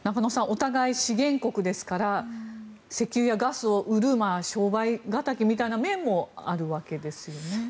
お互い資源国ですから石油やガスを売る商売敵みたいな面もあるわけですよね。